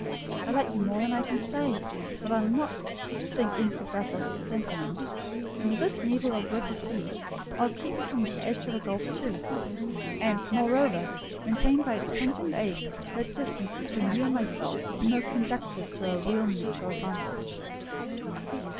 I like you more than I can say; but I'll not sink into a bathos of sentiment: and with this needle of repartee I'll keep you from the edge of the gulf too; and, moreover, maintain by its pungent aid that distance between you and myself most conducive to our real mutual advantage."